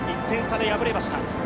１点差で敗れました。